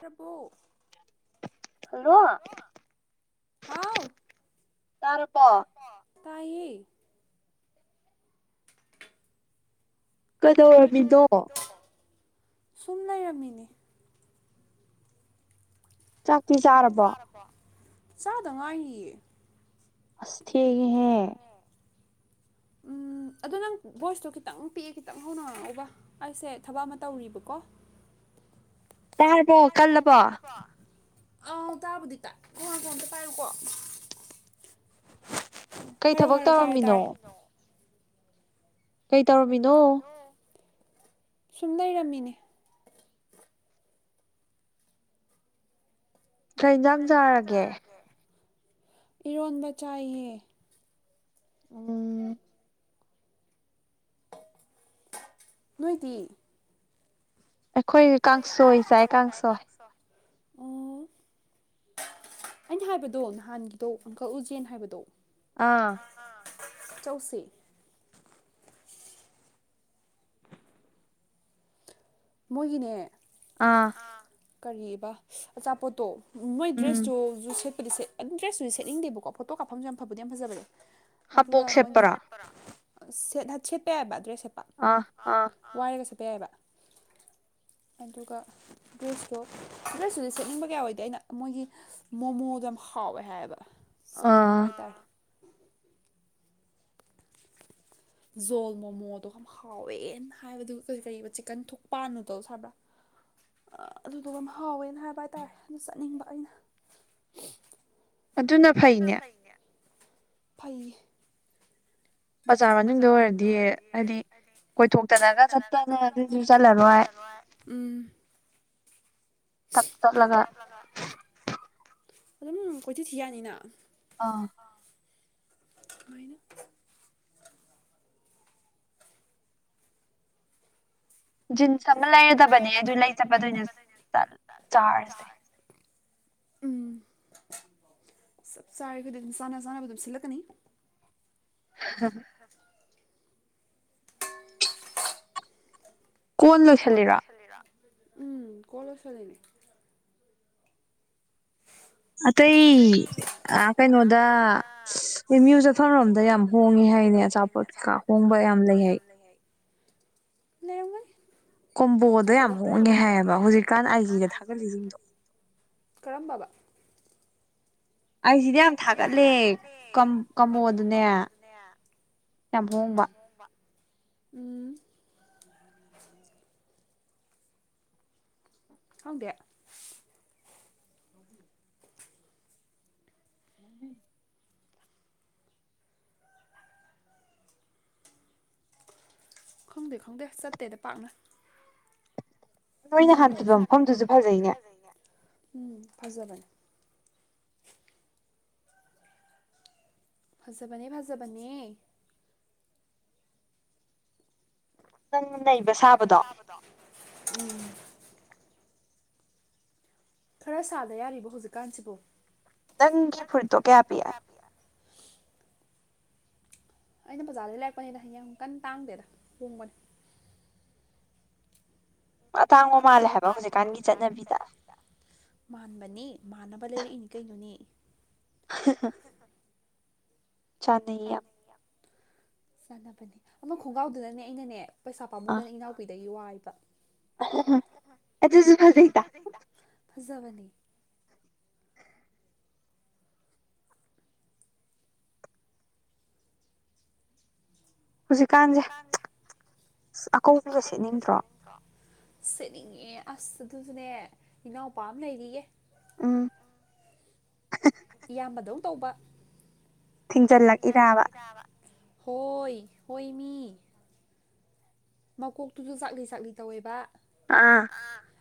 ꯇꯄꯨ hello ꯇꯥꯔꯦꯄꯣ ꯇꯥꯏꯌꯦ ꯀꯩꯗꯧꯔꯃꯤꯗꯣ ꯁꯨꯝ ꯂꯩꯔꯝꯃꯤꯅꯦ ꯆꯥꯛꯇ ꯆꯥꯔꯕꯣ ꯆꯥꯗꯉꯥꯏꯌꯦ ꯑꯁ ꯊ ꯍꯦ [unintelligible] ꯑꯗꯣ ꯅꯪ ꯚꯣꯏꯁꯇꯣ ꯈꯤꯇꯪ ꯄꯤꯛꯑꯦ ꯈꯤꯇꯪ ꯍꯧꯅꯔꯛꯕ ꯑꯩꯁꯦ ꯊꯕꯛ ꯑꯃ ꯇꯧꯔꯤꯕꯀꯣ ꯇꯥꯔꯕꯣ ꯀꯜꯂꯕꯣ ꯑꯥꯎ ꯇꯥꯕꯨꯗꯤ ꯇꯥꯏꯉꯥꯟ ꯐꯣꯝꯇ ꯄꯥꯏꯔꯣꯀꯣ ꯀꯩ ꯊꯕꯛ ꯇꯧꯔꯝꯃꯤꯅꯣ ꯀꯩ ꯇꯧꯔꯝꯃꯤꯅꯣ ꯁꯨꯝ ꯂꯩꯔꯝꯃꯤꯅꯦ ꯊ ꯌꯦꯟꯖꯥꯡ ꯆꯥꯔꯒꯦ ꯏꯔꯣꯟꯕ ꯆꯥꯏꯌꯦ ꯎꯝ ꯅꯣꯏꯇ ꯑꯩꯈꯣꯏ ꯀꯥꯡꯁꯣꯏ ꯆꯥꯏ ꯀꯥꯡꯁꯣꯏ ꯑꯣ ꯑꯩꯅ ꯍꯥꯏꯕꯗꯣ ꯅꯍꯥꯟꯒꯤꯗꯣ ꯑꯪꯀꯜ ꯎꯖꯦꯟ ꯍꯥꯏꯕꯗꯣ ꯑꯥ ꯆꯧꯁꯤ ꯃꯣꯏꯒꯤꯅꯦ ꯑꯥ ꯀꯔꯤꯕ ꯑꯆꯥꯄꯣꯠꯇꯣ ꯃꯣꯏ ꯗ꯭ꯔꯦꯁꯇꯨꯁꯨꯨ ꯁꯦꯠ ꯑꯩꯗꯤꯦ ꯑꯗꯨꯝ꯭ꯔꯦꯁꯁꯨ ꯁꯦꯠꯅꯤꯡꯦꯕꯀꯣ ꯐꯣꯇꯣ ꯀꯥꯐꯝꯁꯨ ꯌꯥꯝ ꯐꯗꯤ ꯌꯥꯝ ꯐꯖꯕꯅꯦ ꯑꯗꯨꯒ ꯃꯣꯏꯒꯤꯄ ꯁꯦꯠꯄ ꯌꯥꯕꯦꯁ ꯠꯄ ꯋꯥꯏꯔꯒ ꯆꯦꯠꯄ ꯌꯥꯏꯕ [unintelligible] ꯑꯗꯨꯒ ꯗ꯭ꯔꯦꯁꯇꯨ ꯗ꯭ꯔꯦꯁꯇꯨꯗꯤ ꯁꯦꯠꯅꯤꯡꯕ ꯀꯌꯥ ꯑꯣꯏꯗꯦ ꯑꯩꯅ ꯃꯣꯏꯒꯤ ꯃꯣꯃꯣꯗ ꯍꯥꯎꯋꯦ ꯍꯥꯏꯌꯦꯕ ꯆꯥꯅꯤꯡꯕ ꯍꯥꯏꯇꯥꯔꯦ ꯖꯣꯜ ꯃꯣꯃꯣꯗꯣ ꯌꯥꯝ ꯍꯥꯎꯋꯦꯅ ꯍꯥꯏꯕꯗꯨ ꯀ ꯀ ꯆꯤꯛꯀꯟ ꯊꯨꯛꯄꯥꯟꯅꯨ ꯇꯧ ꯁꯥꯕ꯭ꯔꯥ ꯑꯗꯨꯗ ꯌꯥꯝ ꯍꯥꯎꯋꯦꯅ ꯍꯥꯏꯕ ꯍꯥꯏ ꯇꯥꯔꯦ ꯑꯗꯨ ꯆꯠꯅꯤꯡꯕ ꯑꯩꯅ ꯑꯗꯨꯅ ꯐꯩꯅꯦ ꯐꯩꯌꯦ ꯕꯖꯥꯔ ꯃꯅꯨꯡꯗ ꯑꯣꯏꯔꯗꯤ ꯍꯥꯏꯗꯤ ꯀꯣꯏꯊꯣꯛꯇꯅꯒ ꯆꯠꯇꯅ ꯑꯗꯨꯁꯨ ꯆꯠꯂꯔꯣꯏ ꯍꯥꯏ ꯎꯝ [unintelligible] ꯇꯞ ꯇ ꯂꯒꯒ ꯑꯗꯨꯝ ꯀꯣꯏꯊꯤ ꯊꯤ ꯌꯥꯅꯤꯅ ꯑꯥ ꯃꯥꯏꯅ ꯖꯤꯟꯁ ꯑꯃ ꯂꯩꯔꯗꯕꯅꯦ ꯑꯗꯨ ꯂꯩ ꯆꯠꯄꯗ ꯑꯣꯏꯅ ꯆꯥꯔꯁꯦ [unintelligible] ꯆꯞ ꯆꯥꯔꯈꯣꯏꯗꯤ ꯑꯗꯨꯝ ꯆꯥ ꯆꯥꯅꯕ ꯑꯗꯨꯝ ꯁꯤꯜꯂꯛꯀꯅꯤ ꯍ ꯀꯣꯟ ꯂꯣꯏꯁꯤꯂꯔ ꯎꯝ ꯀꯂꯁ ꯂꯩꯅꯤ ꯑꯇꯩ ꯑꯩ ꯑ ꯀꯩꯅꯣꯗ ꯃꯤꯨ ꯆꯠꯐꯝꯪꯔꯣꯝꯗ ꯌꯥꯝ ꯍꯣꯡꯉꯦ ꯍꯥꯏꯅꯦ ꯑꯆꯥꯄꯣꯠ ꯀꯩꯀꯥ ꯍꯣꯡꯕ ꯌꯥꯝ ꯂꯩ ꯂꯩ ꯀꯣꯝꯕꯣꯗꯣ ꯌꯥꯝ ꯍꯣꯡꯑꯉꯦ ꯍꯥꯏꯌꯦꯕ ꯍꯧꯖꯤꯛꯀꯥꯟ ꯑꯩꯥꯏꯒꯤꯗ ꯊꯥꯒꯠꯂꯤꯁꯤꯡꯗꯣ ꯀꯔꯝꯕꯕ ꯑꯩꯁꯤꯗꯤ ꯌꯥꯝ ꯊꯥꯒꯠꯂꯦ ꯀꯃꯣꯗꯨꯅꯦ ꯌꯥꯝꯝꯍꯣꯡꯝꯕ ꯎꯝ ꯍꯗ ꯎꯕꯤ ꯈꯪꯗꯦ ꯈꯪꯗꯦ ꯆꯠꯇꯦꯗ ꯄꯥꯛꯅ ꯎ ꯍꯥꯐꯝꯐꯝꯗꯨꯁꯨ ꯐꯖꯩꯌꯦ ꯎꯝ ꯐꯖꯕꯅꯤ ꯐꯖꯕꯅꯦ ꯐꯖꯕꯅꯦ ꯈꯤꯪꯁꯨ ꯂꯩꯕ ꯁꯥꯕꯗꯣ ꯎꯝ ꯈꯔ ꯁꯥꯗ ꯌꯥꯔꯤꯕ ꯍꯧꯖꯤꯛꯀꯥꯟꯁꯤꯕꯨꯣ ꯅꯪꯒꯤ ꯐꯨꯔꯗꯣ ꯀꯌꯥ ꯄꯌꯥ ꯑꯩꯅ ꯕꯖꯥꯔꯗꯒꯤ ꯂꯩꯔꯛꯄꯅꯤꯗ ꯍꯌꯦꯡꯨ ꯀꯟꯅ ꯇꯥꯡꯗꯦꯗ ꯍꯣꯡꯕꯅꯤ ꯇꯥꯡꯕ ꯃꯥꯜꯂꯦ ꯍꯥꯏꯕ ꯍꯧꯖꯤꯛꯀꯥꯟꯒꯤ ꯆꯠꯅꯕꯤꯗ ꯃꯥꯟꯕꯅꯤ ꯃꯥꯟꯅꯕ ꯂꯩꯔꯛꯏꯅꯤ ꯀꯩꯅꯣꯅꯤ ꯆꯥꯟꯅꯕꯅꯦ ꯑꯃ ꯈꯣꯡꯒ꯭ꯔꯥꯎꯗꯨꯗꯅꯦ ꯑꯩꯅꯅꯦ ꯄꯩꯁꯥ ꯄꯥꯝꯃꯨꯗꯅ ꯏꯅꯥꯎꯄꯤꯗꯒꯤ ꯋꯥꯏꯕ ꯑꯆꯁꯨ ꯐꯩ ꯇ ꯖꯕꯅꯤ ꯍꯧꯖꯤꯛꯀꯥꯟꯁꯦ ꯑꯀꯧꯕꯤꯁꯦ ꯁꯦꯠꯅꯤꯡꯗ꯭ꯔꯣ ꯁꯦꯠꯅꯤꯡꯉꯦ ꯑꯁ ꯑꯗꯨꯁꯨꯅꯦ ꯏꯅꯥꯎꯄꯥ ꯑꯃ ꯂꯩꯔꯤꯌꯦꯦ ꯑꯥ ꯏꯌꯥꯝꯕꯗꯧ ꯇꯧꯕ ꯊꯖꯤꯜ ꯍꯣꯏ ꯍꯣꯏꯃꯤ ꯃꯀꯣꯛꯇꯨꯁꯨ ꯆꯥꯛꯂꯤ ꯆꯥꯛꯂꯤ ꯇꯧꯋꯦꯕ ꯑꯥ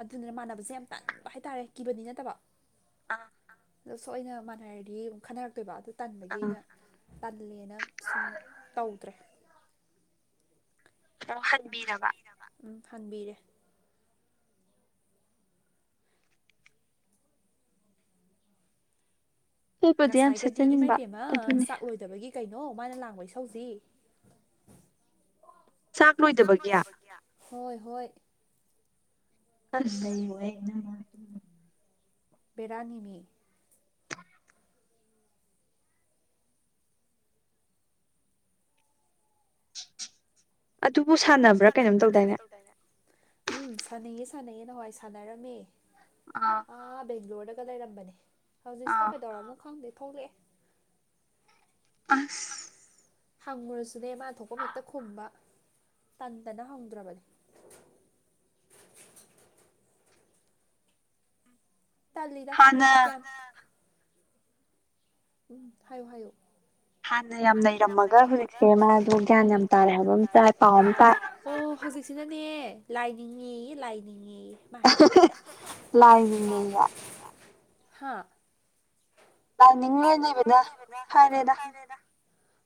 ꯑꯗꯨꯗꯨꯅ ꯃꯥꯟꯅꯕꯁꯦ ꯌꯥꯝ ꯇꯟꯕ ꯍꯥꯏ ꯇꯔꯦ ꯀꯤꯕꯗꯤ ꯅꯠꯇꯕ ꯑꯗꯣ ꯁ ꯑꯅ ꯃꯥꯟꯅꯔꯗꯤ ꯈꯟꯅꯔꯛꯇꯣꯏꯕ ꯑꯗꯨ ꯇꯟꯕꯒꯤ ꯑꯩꯅ ꯇꯜꯂꯦꯅ ꯁꯨꯝ ꯇꯧꯗ꯭ꯔꯦ ꯃꯣꯍꯟꯕꯤ ꯔꯕꯥ ꯍꯥꯡꯕꯤꯔꯦ ꯉꯁꯥꯏꯒꯗꯤ ꯏꯃꯥꯕꯦꯝꯃ ꯆꯥꯛꯂꯣꯏꯗꯕꯒꯤ ꯀꯩꯅꯣ ꯃꯥꯅ ꯂꯥꯡꯕ ꯏꯁꯧꯁꯤ ꯆꯥꯛ ꯂꯣꯏꯗꯕꯒꯤꯌꯥ ꯍꯣꯏ ꯍꯣꯏ ꯑꯗꯩ ꯑꯣꯏꯅ ꯃꯥ ꯕꯦꯔꯥꯅꯤꯃꯤ ꯑꯗꯨꯕꯨ ꯁꯅꯕ꯭ꯔꯥ ꯀꯩꯅꯣ ꯎꯝ ꯁꯥꯟꯅꯩꯌꯦ ꯁꯥꯟꯅꯩꯦ ꯅꯋꯥꯏ ꯁꯥꯟꯅꯔꯝꯃꯤ ꯑꯥ ꯕꯦꯡꯒ꯭ꯂꯣꯔꯗꯒ ꯂꯩꯔꯝꯕꯅꯦ ꯍꯧꯖꯤꯛꯁꯤꯗ ꯀꯩꯗꯧꯔ ꯑꯃꯨꯛ ꯈꯪꯗꯦ ꯊꯣꯛꯂꯛꯑꯦ ꯑꯁ ꯍꯪꯉꯨꯔꯁꯨꯅꯦ ꯃꯥꯅ ꯊꯣꯛꯄ ꯍꯦꯛꯇ ꯈꯨꯝꯕ ꯇꯟꯇꯅ ꯍꯧꯗ꯭ꯔꯕꯗꯤ ꯇꯂꯤꯗ ꯀꯌꯥ ꯎꯝ ꯍꯥꯏꯌꯣ ꯍꯥꯏꯌꯣ ꯍꯥꯟꯅ ꯌꯥꯝ ꯂꯩꯔꯝꯃꯒ ꯍꯧꯖꯤꯛꯁꯦ ꯃꯥꯗꯣ ꯒ꯭ꯌꯥꯟ ꯌꯥꯝ ꯇꯥꯔꯦ ꯍꯥꯏꯕ ꯑꯃ ꯆꯥꯏ ꯄꯥꯎ ꯑꯃ ꯇ ꯍꯧꯖꯤꯛꯁꯤꯅꯅꯦ ꯂꯥꯏꯅꯤꯡꯉ ꯂꯥꯏꯅꯤꯡꯉ ꯃꯥ ꯍꯥꯏꯕ ꯍꯥꯥ ꯂꯥꯟꯅꯤꯡ ꯂꯣꯏ ꯂꯩꯕꯗ ꯐꯔꯦꯗ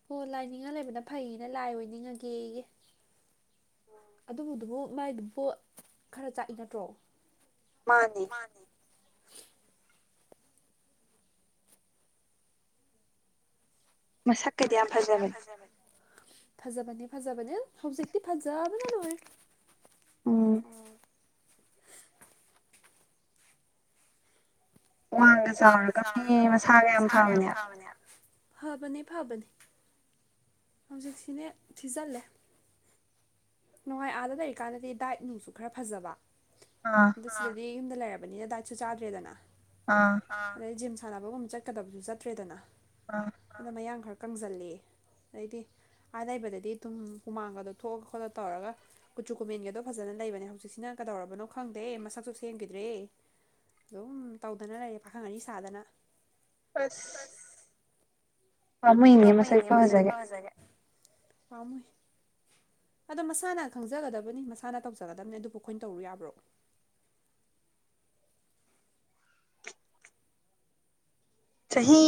ꯍꯣ ꯂꯥꯏꯅꯤꯡꯉ ꯂꯩꯕꯅ ꯐꯩꯌꯦꯅꯦ ꯂꯥꯏ ꯑꯣꯏꯅꯤꯡꯉꯒꯦ ꯑꯗꯨꯕꯨꯗꯨꯕꯨ ꯃꯥꯏꯗꯨ ꯄꯣꯠ ꯈꯔ ꯆꯥꯛꯏ ꯅꯠꯇ꯭ꯔꯣ ꯃꯥꯅꯦ ꯃꯁꯥ ꯀꯩꯗꯤ ꯑꯝꯐꯥꯖꯥꯅꯤ ꯐꯖꯥꯕꯅꯦ ꯐꯖꯥꯕꯅꯦ ꯍꯧꯖꯤꯛꯇꯤ ꯐꯖꯕꯅ ꯇꯋꯦ ꯎꯝ ꯋꯥꯡꯒ ꯆꯥꯎꯔꯒ ꯃꯤ ꯃꯁꯥꯒ ꯌꯥꯝ ꯐꯕꯅꯦ ꯐꯕꯅꯦ ꯐꯕꯅꯦ ꯍꯧꯖꯤꯛ ꯊꯤꯅꯦ ꯊꯤꯖꯤꯜꯂꯦ ꯅꯨꯡꯉꯥꯏ ꯑꯥꯗ ꯂꯩꯔꯤꯀꯥꯟꯗꯗꯤ ꯗꯥꯏꯠ ꯅꯨꯡꯁꯨ ꯈꯔ ꯐꯖꯕ ꯑꯣ ꯁꯤꯗꯤ ꯌꯨꯝꯗ ꯂꯩꯔ ꯕꯅꯤꯅ ꯗꯥꯏꯠꯁꯨ ꯆꯥꯗ꯭ꯔꯦꯗꯅ ꯑꯗ ꯖꯤꯝ ꯁꯥꯟꯅꯕꯒꯨꯝꯕ ꯆꯠꯀꯗꯕꯁꯨ ꯆꯠꯇ꯭ꯔꯦꯗꯅ ꯑꯗ ꯃꯌꯥꯡ ꯈꯔ ꯀꯪꯁꯤꯜꯂ ꯑꯗꯩꯗꯤ ꯑꯥ ꯂꯩꯕꯗꯗꯤ ꯇꯨꯝ ꯍꯨꯃꯥꯡꯒꯗꯣ ꯊꯣꯛꯑꯒ ꯈꯣꯠꯂ ꯇꯧꯔꯒ ꯀꯨꯆꯨ ꯀꯨꯃꯦꯟꯒꯤꯗꯣ ꯐꯖꯅ ꯂꯩꯕꯅꯦ ꯍꯧꯖꯤꯛꯁꯤꯅ ꯀꯩꯗꯧꯔꯕꯅꯣ ꯈꯪꯗꯦ ꯃꯁꯛꯁꯨ ꯁꯦꯝꯈꯤꯗ꯭ꯔꯦ ꯑꯗꯨꯝ ꯇꯧꯗꯅ ꯂꯩꯌꯦꯦ ꯄꯥꯈꯪ ꯑꯅꯤ ꯁꯥꯗꯅ ꯑꯁ ꯋꯥ ꯃꯨꯣꯏꯅꯤ ꯃ ꯁꯄ ꯍꯖꯒꯦ ꯄꯥꯝꯣꯏ ꯑꯗꯣ ꯃꯁꯥꯅ ꯈꯪꯖꯒꯗꯕꯅꯤ ꯃꯁꯥꯅ ꯇꯧꯖꯒꯗꯕꯅꯤ ꯑꯗꯨꯕꯨ ꯑꯩꯈꯣꯏꯅ ꯇꯧꯔꯨ ꯌꯥꯕ꯭ꯔꯣ [unintelligible]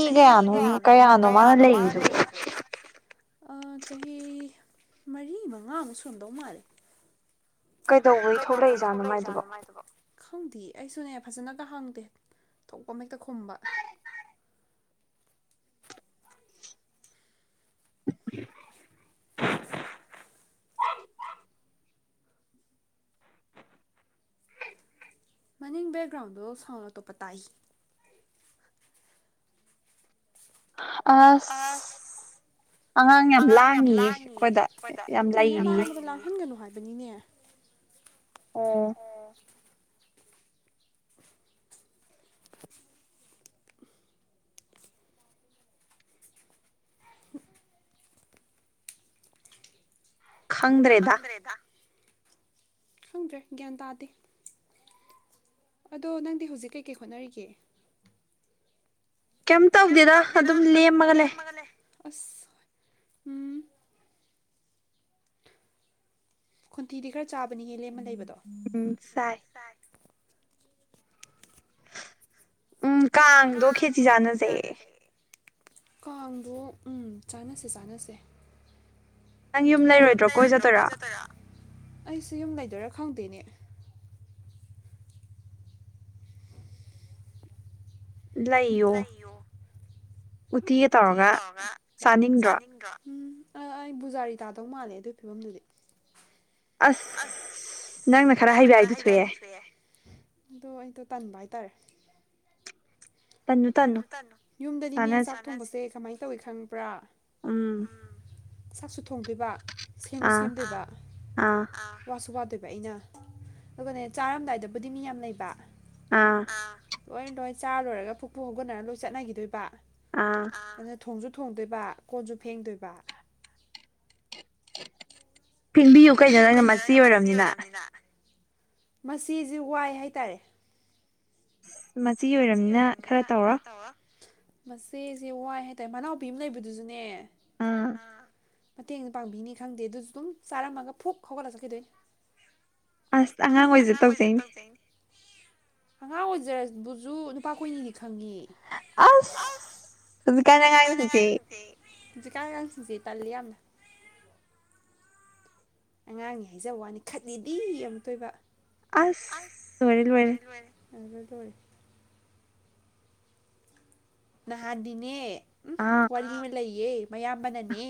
ꯆꯍꯤ ꯀꯌꯥꯅꯣ ꯀꯌꯥꯅꯣ ꯃꯥꯅ ꯂꯩꯔꯤꯁꯤꯕ ꯆꯍꯤ ꯃꯔꯤ ꯃꯉꯥꯃꯨꯛ ꯁꯨꯝꯗꯧ ꯃꯥꯜꯂꯦ ꯀꯩꯗꯧꯕꯩ ꯊꯣꯛꯂꯛꯏꯖꯥꯠꯅꯃꯥꯏꯗꯨꯕꯣ ꯈꯪꯗꯦ ꯑꯩꯁꯨꯅꯦ ꯐꯖꯅꯒ ꯍꯪꯗꯦ ꯊꯣꯛꯄ ꯍꯦꯛꯇ ꯈꯨꯝꯕ [unintelligible] ꯃꯅꯤꯡ ꯕꯦꯛꯒ꯭ꯔꯥꯎꯟꯗꯣ ꯁꯥꯎꯟ ꯑꯇꯣꯞꯄ ꯇꯥꯏ ꯑꯁ ꯑꯉꯥꯡ ꯌꯥꯝ ꯂꯥꯡꯉꯤꯣꯏ ꯂꯥꯡꯍꯟꯒꯅꯨ ꯍꯥꯏ ꯕꯅꯤꯅꯦ ꯑꯣ [unintelligible] [unintelligible] ꯈꯪꯗ꯭ꯔꯦꯗ ꯈꯪꯗ꯭ꯔꯦ ꯒ꯭ꯌꯥꯟ ꯇꯥꯗꯦ ꯑꯗꯣ ꯅꯪꯗꯤ ꯍꯧꯖꯤꯛ ꯀꯩꯀꯩ ꯍꯣꯠꯅꯔꯤꯒꯦ ꯀꯩꯝ ꯇꯧꯗꯦꯔ ꯑꯗꯨꯝ ꯂꯦꯝꯃꯒ ꯂꯩ ꯑ ꯎ ꯈꯟꯇꯤꯗꯤ ꯈꯔ ꯆꯥꯕꯅꯤ ꯍ ꯂꯦꯝꯃ ꯂꯩꯕꯗꯣ ꯎꯝ ꯁꯥꯏ ꯎꯝ ꯀꯥꯡꯗꯣ ꯈꯦꯆꯤ ꯆꯥꯟꯅꯖꯩꯌꯦ ꯀꯥꯡꯗꯣ ꯎꯝ ꯆꯥꯅꯁꯦ ꯆꯥꯅꯁꯦ ꯌꯨꯝ ꯂꯩꯔꯣꯏꯗ꯭ꯔꯣ ꯀꯣꯏ ꯆꯠꯇꯣꯏꯔ ꯑꯩꯁꯨ ꯌꯨꯝ ꯂꯩꯗꯣꯏꯔꯥ ꯈꯪꯗꯣꯏꯅꯦ ꯂꯩꯌꯣ ꯎꯇꯤꯒ ꯇꯧꯔꯒ ꯆꯥꯅꯤꯡꯗ꯭ꯔꯣ ꯎꯝ ꯑꯩ ꯕꯨꯖꯥꯔꯤ ꯇꯥꯗꯧ ꯃꯥꯜꯂꯦ ꯑꯗꯨꯒꯤ ꯐꯤꯕꯝꯗꯨꯗꯤ ꯑꯁ ꯅꯪꯅ ꯈꯔ ꯍꯥꯏꯕꯤꯏꯗꯤ ꯊꯣꯛꯑꯦ ꯑꯗꯣ ꯑꯩꯗꯣ ꯇꯥꯟꯕ ꯍꯥꯏꯇꯥꯔꯦ ꯌꯨꯝꯗꯗꯤꯅꯦ ꯆꯥꯛ ꯊꯣꯡꯕꯁꯦ ꯀꯃꯥꯏꯅ ꯇꯧꯏꯤ ꯈꯪꯕ꯭ꯔꯥ ꯎꯝ ꯆꯥꯛꯁꯨ ꯊꯣꯡꯗꯣꯏꯕ ꯁꯦꯝꯁꯨ ꯁꯦꯝꯗꯣꯏꯕ ꯋꯥꯁꯨ ꯋꯥꯗꯣꯏꯕ ꯑꯩꯅ ꯑꯗꯨꯒꯅꯦ ꯆꯥꯔꯝꯗꯥꯏꯗꯕꯨꯗꯤ ꯃꯤ ꯌꯥꯝ ꯂꯩꯕ ꯑꯥ ꯂꯣꯏ ꯂꯣꯏ ꯆꯥ ꯂꯣꯏꯔꯒ ꯐꯨꯛꯄꯨ ꯍꯧꯒꯠꯅꯔꯒ ꯂꯣꯏ ꯆꯠꯅꯈꯤꯗꯣꯏꯕ ꯑꯥ ꯊꯣꯡꯁꯨ ꯊꯣꯡꯗꯣꯏꯕ ꯀꯣꯟꯁꯨ ꯐꯦꯡꯗꯣꯏꯕ ꯐꯤꯟꯕꯤꯌꯨ ꯀꯩꯅꯣ ꯅꯪꯅ ꯃꯁꯤ ꯑꯣꯏꯔꯕꯝꯅꯤꯅ ꯃꯁꯤꯁ ꯋꯥꯏ ꯍꯥꯏ ꯇꯔꯦ ꯑꯁ ꯃꯆꯤ ꯑꯣꯏꯔꯕꯝꯅ ꯈꯔ ꯇꯧꯔꯣ ꯃꯁꯦꯁꯦ ꯋꯥꯏ ꯍꯥꯏꯇꯥꯔꯦ ꯃꯅꯥꯎꯄꯤ ꯑꯃ ꯂꯩꯕꯗꯨꯁꯨꯅꯦ ꯃꯇꯦꯡꯗꯤ ꯄꯥꯡꯕꯤꯅꯤ ꯈꯪꯗꯦ ꯑꯗꯨꯁꯨ ꯑꯗꯨꯝ ꯆꯥꯔꯝꯃꯒ ꯐꯨꯛ ꯍꯧꯒꯠꯂ ꯆꯠꯈꯤꯗꯣꯏ ꯑꯁ ꯑꯉꯥꯡ ꯑꯣꯏꯁꯦ ꯇꯧꯖꯩꯅꯦ ꯑꯉꯥꯡ ꯑꯣꯏꯖꯕꯨꯁꯨ ꯅꯨꯄꯥ ꯀꯨꯏꯅꯤꯗꯤ ꯈ ꯐꯪꯉꯤ ꯑꯁ ꯀꯥꯏꯅ ꯀꯥꯏ ꯁꯤꯊꯤ ꯆꯀꯥ ꯂꯁꯤꯖꯤꯇ ꯂꯩꯅ ꯑꯉꯥꯡꯅꯤ ꯍꯥꯏꯖꯕ ꯋꯥꯅꯤ ꯈꯠꯂꯤꯗꯤ ꯑꯃ ꯇꯣꯏꯕ ꯑꯁ ꯂꯔ ꯂꯣꯏꯔꯦ ꯑꯗꯨꯗ ꯅꯍꯥꯟꯗꯤꯅꯦ ꯎ ꯋꯥꯔꯤ ꯑꯃ ꯂꯩꯌꯦ ꯃꯌꯥꯝꯕꯅꯅꯦ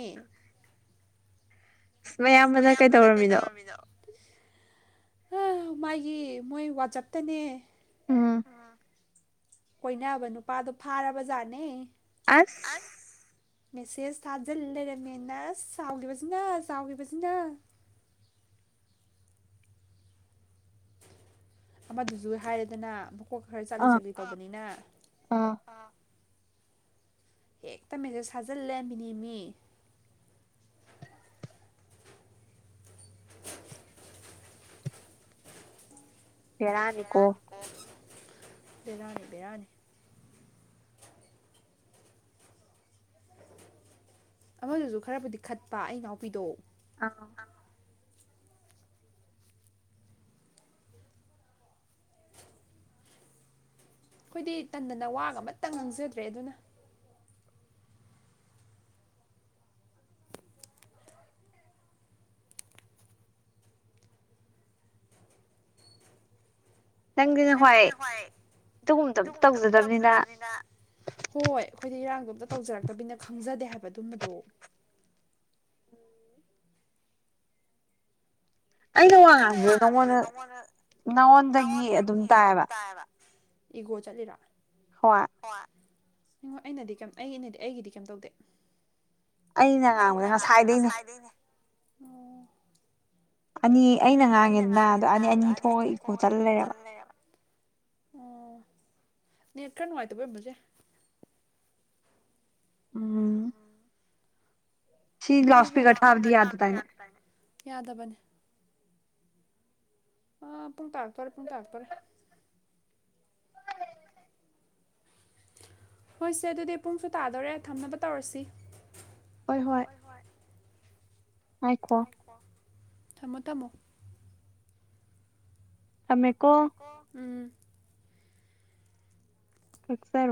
ꯑꯁ ꯃꯌꯥꯝꯕꯅ ꯀꯩꯇꯧꯔꯝꯃꯤꯅꯣ ꯑ ꯃꯥꯒꯤ ꯃꯣꯏ ꯋꯥꯆꯇꯅꯦ ꯎꯝ ꯀꯣꯏꯅꯅꯕ ꯅꯨꯄꯥꯗꯣ ꯐꯥꯔꯕ ꯖꯥꯠꯅꯦ ꯑꯁ ꯃꯦꯁꯦꯁ ꯊꯥꯖꯤꯜ ꯂꯩꯔꯝꯃꯦꯅ ꯑꯁ ꯆꯥꯎꯈꯤꯕꯁꯤꯅ ꯆꯥꯎꯈꯤꯕꯁꯤꯅ [unintelligible] ꯑꯃꯗꯨꯁꯨ ꯍꯥꯏꯔꯦꯗꯅ ꯃꯀꯣꯛ ꯈꯔ ꯆꯠꯂꯤ ꯆꯠꯂꯤ ꯀꯧꯕꯧꯕꯅꯤꯅ ꯍꯦꯛꯇꯃꯦꯁꯦ ꯁꯥꯖꯜꯂꯃꯤꯅꯦꯃꯤ ꯄꯔꯥꯅꯤꯀꯣ ꯄꯗꯥꯅꯤ ꯌꯥꯅꯤ ꯑꯃꯗꯨꯁꯨ ꯈꯔꯕꯨꯗꯤ ꯈꯠꯄ ꯑꯩ ꯏꯅꯥꯎꯄꯤꯗꯣ ꯑꯥ ꯑꯩꯈꯣꯏꯗꯤ ꯇꯟꯗꯅ ꯋꯥꯒ ꯑꯃꯇ ꯉꯥꯡꯖꯗ꯭ꯔꯦ ꯑꯗꯨꯅ ꯇꯪꯒꯅ ꯍꯣꯏ ꯑꯗꯨꯒꯨꯝꯕꯇ ꯑꯝꯇ ꯇꯧꯖꯗꯕꯅꯤꯅ ꯍꯣꯏ ꯍꯣꯏ ꯑꯩꯈꯣꯏꯗꯤ ꯏꯔꯥꯡꯗꯣ ꯑꯝꯇ ꯇꯧꯖꯔꯛꯇꯕꯤꯅ ꯈꯪꯖꯗꯦ ꯍꯥꯏꯕ ꯑꯗꯨꯝꯕꯗꯣ ꯑꯩꯅ ꯋꯥ ꯉꯥꯡꯗꯨꯗ ꯅꯉꯣꯟꯗ ꯅꯉꯣꯟꯗꯒꯤ ꯑꯗꯨꯝ ꯇꯥꯏꯑꯕ ꯏꯒꯣ ꯆꯠꯂꯔ ꯅꯤꯡꯉꯣ ꯑꯩꯅꯗꯤ ꯀꯩꯝ ꯑꯩꯩꯅꯗꯤ ꯑꯩꯒꯤꯗꯤ ꯀꯩꯝ ꯇꯧꯗꯦ ꯑꯩꯅ ꯉꯥꯡꯕꯗ ꯉꯁꯥꯏꯗꯩꯅꯦ ꯑꯣ ꯑꯅꯤ ꯑꯩꯅ ꯉꯥꯡꯉꯤꯗꯅ ꯑꯗꯣ ꯑꯅꯤ ꯑꯅꯤ ꯊꯣꯛꯑꯒ ꯏꯀꯣ ꯆꯠꯂ ꯂꯩꯔꯕ ꯑꯣ ꯅ ꯈꯔ ꯅꯨꯡꯉꯥꯏꯇꯕ ꯃꯁꯦ ꯎꯝ ꯍꯣꯏ ꯍꯣꯏ ꯌꯥꯗꯕꯅꯦ ꯑ ꯄꯨꯡ ꯇꯥꯥꯛꯄꯔꯦ ꯄꯨꯡ ꯊꯥꯔꯄꯔꯦ ꯍꯣꯏꯁꯦ ꯑꯗꯨꯗꯤ ꯄꯨꯡꯁꯨ ꯇꯥꯗꯧꯣꯔꯦ ꯊꯝꯅꯕ ꯇꯧꯔꯁꯤ ꯍꯣꯏ ꯍꯣꯏ ꯑꯥꯏꯈꯣ ꯁꯃꯦꯀꯣ ꯎꯝ ꯀꯛꯁꯥꯔ